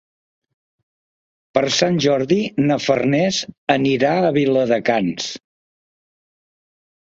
Per Sant Jordi na Farners anirà a Viladecans.